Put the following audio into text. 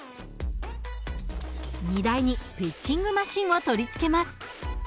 荷台にピッチングマシーンを取り付けます。